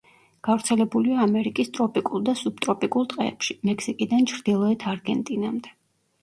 გავრცელებულია ამერიკის ტროპიკულ და სუბტროპიკულ ტყეებში, მექსიკიდან ჩრდილოეთ არგენტინამდე.